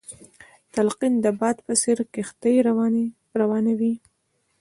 تلقين د باد په څېر کښتۍ روانوي.